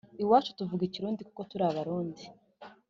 Iwacu tuvuga ikirundi kuko turi abarundi